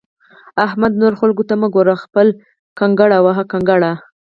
احمده! نورو خلګو ته مه ګوره؛ خپل کنګړ وهه کنکړ!